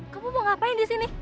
kamu mau ngapain disini